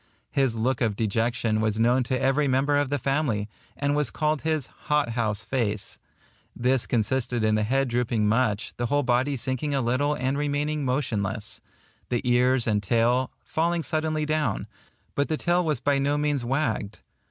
His look of dejection was known to every member of the family, and was called his hot house face. This consisted in the head drooping much, the whole body sinking a little and remaining motionless; the ears and tail falling suddenly down, but the tail was by no means wagged.